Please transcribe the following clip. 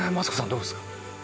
どうですか？